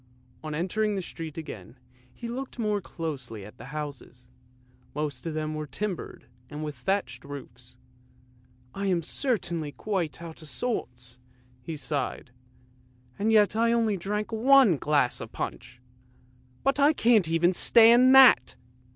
On entering the street again, he looked more closely at the houses, most of them were timbered, and with thatched roofs. " I am certainly quite out of sorts," he sighed, " and yet I only drank one glass of punch. But I can't stand even that!